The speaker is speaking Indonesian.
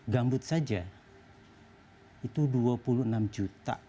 gambut saja itu dua puluh enam juta